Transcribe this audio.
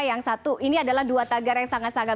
yang satu ini adalah dua tagar yang sangat sangat